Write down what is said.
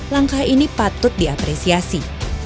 langkah ini patut diapresiasi